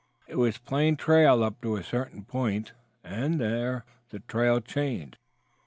It was a plain trail up to a certain point, and there the trail changed.